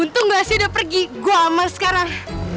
untung gak sih udah pergi gue sama sekarang